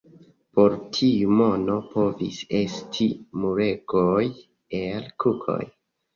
Por tiu mono povis esti muregoj el kukoj.